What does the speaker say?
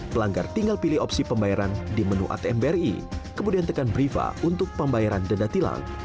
pelanggar tinggal pilih opsi pembayaran di menu atm bri kemudian tekan briva untuk pembayaran denda tilang